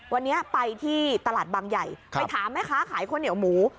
วันนี้ไปที่ตลาดบางใหญ่ไปถามแม่ค้าขายข้าวเหนียวหมู